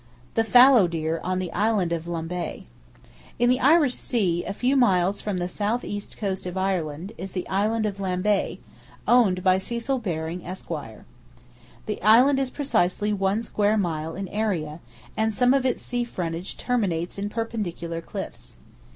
The Fallow Deer On The Island Of Lambay. —In the Irish Sea, a few miles from the southeast coast of Ireland, is the Island of Lambay, owned by Cecil Baring, Esq. The island is precisely one square mile in area, and some of its sea frontage terminates in perpendicular cliffs.